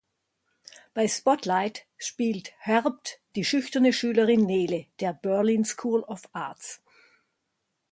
Bei Spotlight spielt Herbt die schüchterne Schülerin "Nele" der Berlin School of Arts.